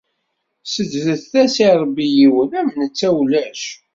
Seǧǧdet-as i Rebbi yiwen, am netta ulac.